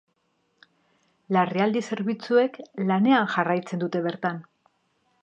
Larrialdi zerbitzuek lanean jarraitzen dute bertan.